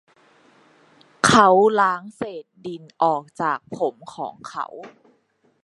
เขาล้างเศษดินออกจากผมของเขา